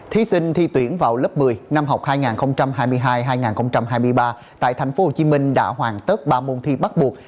thí sinh thi tuyển vào lớp một mươi năm học hai nghìn hai mươi hai hai nghìn hai mươi ba tại tp hcm đã hoàn tất ba môn thi bắt buộc